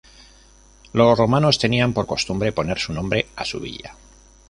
Los romanos tenían por costumbres poner su nombre a su villa..